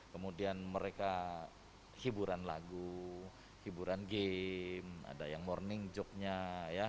kemudian mereka hiburan lagu hiburan game ada yang morning joke nya ya